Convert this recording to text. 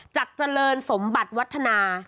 เจริญสมบัติวัฒนา